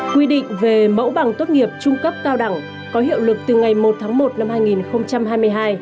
quy định về mẫu bằng tốt nghiệp trung cấp cao đẳng có hiệu lực từ ngày một tháng một năm hai nghìn hai mươi hai